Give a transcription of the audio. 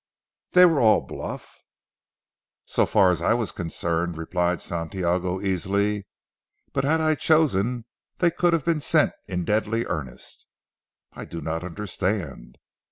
"They were all bluff?" "So far as I was concerned," replied Santiago easily, "but had I chosen they could have been sent in deadly earnest." "I do not understand."